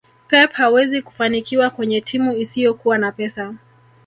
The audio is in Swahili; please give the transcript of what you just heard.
pep hawezi kufanikiwa kwenye timu isiyokuwa na pesa